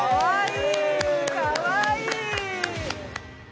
かわいい！